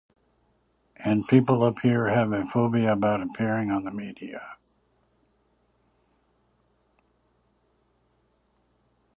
And people up here have a phobia about appearing on the media.